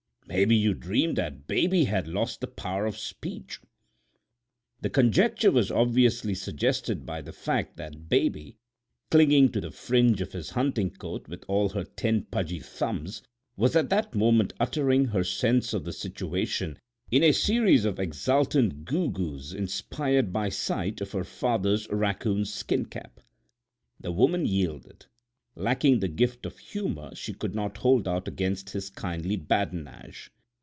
"Maybe you dreamed that Baby had lost the power of speech." The conjecture was obviously suggested by the fact that Baby, clinging to the fringe of his hunting coat with all her ten pudgy thumbs was at that moment uttering her sense of the situation in a series of exultant goo goos inspired by sight of her father's raccoon skin cap. The woman yielded: lacking the gift of humor she could not hold out against his kindly badinage.